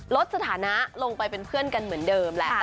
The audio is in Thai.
ลดสถานะลงไปเป็นเพื่อนกันเหมือนเดิมแหละ